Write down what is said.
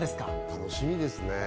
楽しみですね。